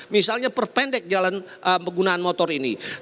misalnya perpendek jalan penggunaan motor ini